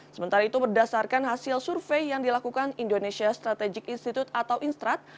sementara itu berdasarkan hasil survei yang dilakukan indonesia strategic institute atau instrad